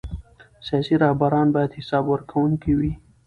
سیاسي رهبران باید حساب ورکوونکي وي